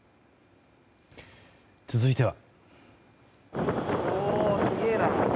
続いては。